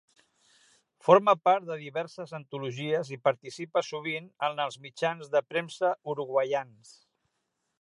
Forma part de diverses antologies i participa sovint en els mitjans de premsa uruguaians.